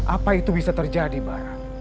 apa itu bisa terjadi bara